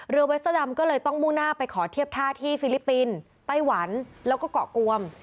เวสเตอร์ดำก็เลยต้องมุ่งหน้าไปขอเทียบท่าที่ฟิลิปปินส์ไต้หวันแล้วก็เกาะกวม